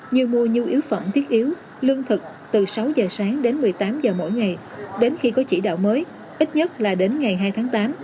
như mua nhu yếu phẩm thiết yếu lương thực từ sáu giờ sáng đến một mươi tám h mỗi ngày đến khi có chỉ đạo mới ít nhất là đến ngày hai tháng tám